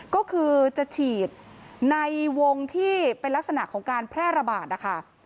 ก็คือจะฉีดในวงที่เป็นลักษณะของการแพร่ระบาดนะคะ